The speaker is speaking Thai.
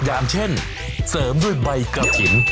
อย่างเช่นเสริมด้วยใบกระถิ่น